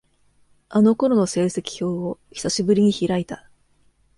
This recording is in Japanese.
あの頃の成績表を、久しぶりに開いた。